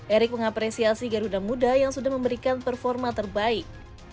erick mengapresiasi garuda muda yang sudah memberikan performa terbaik